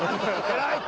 偉い！